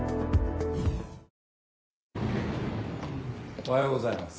おはようございます。